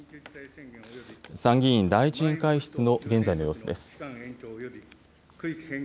参議院第１委員会室の現在の様子です。